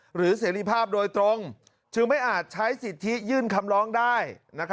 เสรีภาพโดยตรงจึงไม่อาจใช้สิทธิยื่นคำร้องได้